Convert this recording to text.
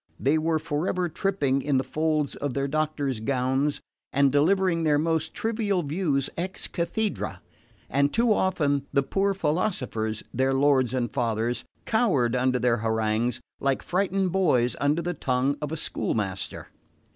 They were forever tripping in the folds of their doctors' gowns, and delivering their most trivial views ex cathedra; and too often the poor philosophers, their lords and fathers, cowered under their harangues like frightened boys under the tongue of a schoolmaster.